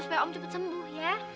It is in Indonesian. supaya om cepat sembuh ya